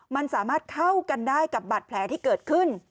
มันสามารถเข้ากันได้กับบาดแผลที่เกิดขึ้น